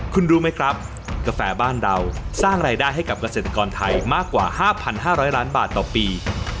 คุณรู้ไหมครับกาแฟบ้านเราสร้างรายได้ให้กับเกษตรกรไทยมากกว่า๕๕๐๐ล้านบาทต่อปี